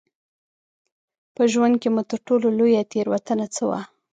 په ژوند کې مو تر ټولو لویه تېروتنه څه وه؟